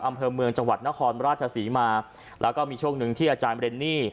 อำเภอเมืองจังหวัดนครราชศรีมาแล้วก็มีช่วงหนึ่งที่อาจารย์เรนนี่